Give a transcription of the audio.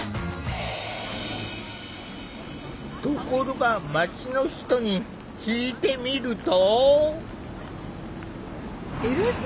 ところが街の人に聞いてみると。